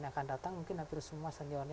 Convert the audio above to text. yang akan datang mungkin hampir semua seniornya